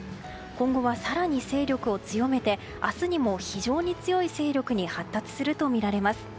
今後は更に勢力を強めて明日にも非常に強い勢力に発達するとみられます。